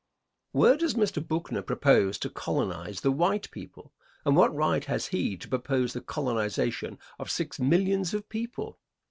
Answer. Where does Mr. Buckner propose to colonize the white people, and what right has he to propose the colonization of six millions of people?